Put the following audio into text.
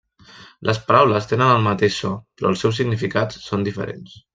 Les paraules tenen el mateix so, però els seus significats són diferents.